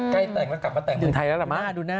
ใกล้แต่งแล้วกลับมาแต่งเมืองไทยแล้วเหรอมาดูหน้า